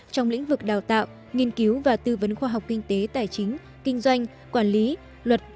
trong lĩnh vực đào tạo nghiên cứu và tư vấn khoa học kinh tế tài chính kinh doanh quản lý luật